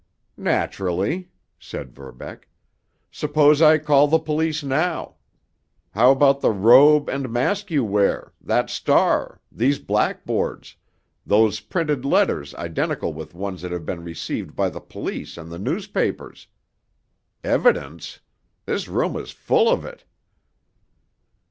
"Naturally," said Verbeck. "Suppose I call the police now. How about the robe and mask you wear, that star, these blackboards, those printed letters identical with ones that have been received by the police and the newspapers? Evidence? This room is full of it!"